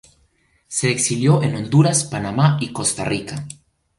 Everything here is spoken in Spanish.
Se exilió en Honduras, Panamá y Costa Rica.